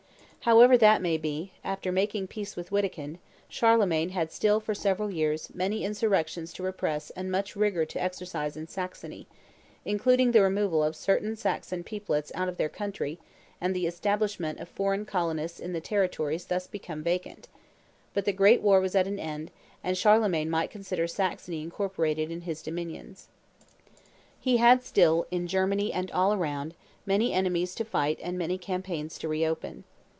However that may be, after making peace with Wittikind, Charlemagne had still, for several years, many insurrections to repress and much rigor to exercise in Saxony, including the removal of certain Saxon peoplets out of their country and the establishment of foreign colonists in the territories thus become vacant; but the great war was at an end, and Charlemagne might consider Saxony incorporated in his dominions. [Illustration: THE SUBMISSION OF WITTIKIND 218] He had still, in Germany and all around, many enemies to fight and many campaigns to re open.